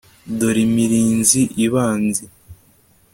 Dore imirinzi ibambye